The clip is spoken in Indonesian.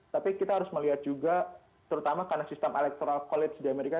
tapi kita harus melihat juga terutama karena sistem electoral college di amerika